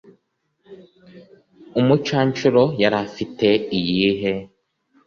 umucanshuro yari afite iyihe?